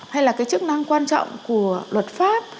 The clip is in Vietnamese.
hay là cái chức năng quan trọng của luật pháp